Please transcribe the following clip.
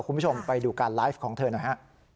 คุณผู้ชมไปดูการไลฟ์ของเธอหน่อยฮะ